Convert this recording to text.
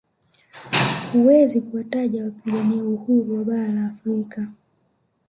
Huwezi kuwataja wapigania uhuru wa bara la Afrika